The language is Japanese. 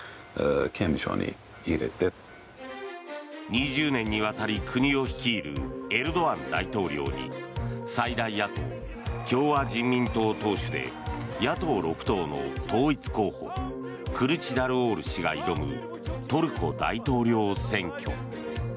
２０年にわたり国を率いるエルドアン大統領に最大野党・共和人民党党首で野党６党の統一候補クルチダルオール氏が挑むトルコ大統領選挙。